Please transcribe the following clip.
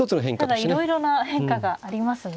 ただいろいろな変化がありますね。